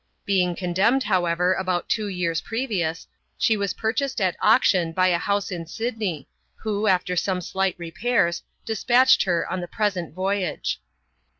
Being condemned, however, about two years previous, she was purchased at auction by a house in Sydney, who, after some slight repairs, despatched her on the present voyage.